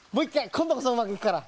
こんどこそうまくいくから。